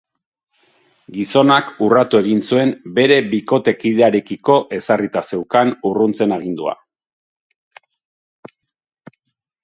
Gizonak urratu egin zuen bere bikotekidearekiko ezarrita zeukan urruntzen agindua.